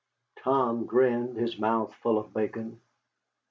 Tom grinned, his mouth full of bacon.